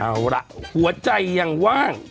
เอาล่ะหัวใจยังว่าง